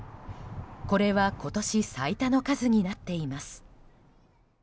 これは、今年最多の数になっています。